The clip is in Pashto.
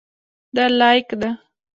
دا لاییک ده.